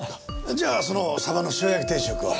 じゃあそのさばの塩焼き定食を。